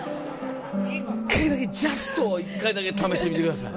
１回だけジャストを１回だけ試してみてください。